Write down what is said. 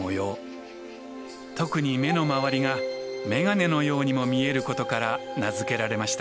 特に目の周りがメガネのようにも見えることから名付けられました。